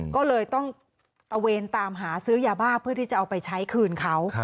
ก็เลยต้องตะเวนตามหาซื้อยาบ้าเพื่อที่จะเอาไปใช้คืนเขา